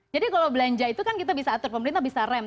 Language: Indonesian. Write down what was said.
jadi kalau belanja itu kan kita bisa atur pemerintah bisa rem